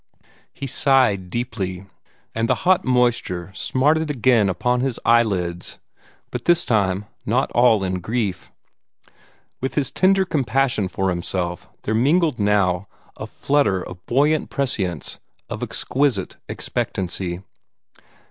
He sighed deeply, and the hot moisture smarted again upon his eyelids, but this time not all in grief. With his tender compassion for himself there mingled now a flutter of buoyant prescience, of exquisite expectancy.